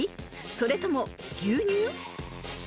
それとも牛乳？］